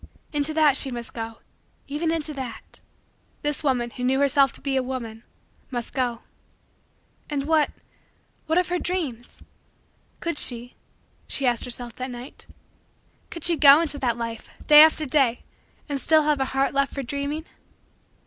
Into that she must go even into that this woman, who knew herself to be a woman, must go. And what what of her dreams? Could she, she asked herself that night, could she go into that life, day after day, and still have a heart left for dreaming?